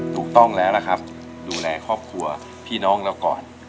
ถูกต้องแล้วล่ะครับดูแลครอบครัวพี่น้องเราก่อน